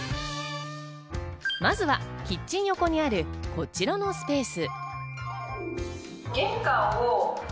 まずはキッチン横にある、こちらのスペース。